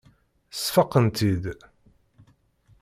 Sfaqen-tt-id.